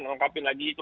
mengungkapi lagi dokumen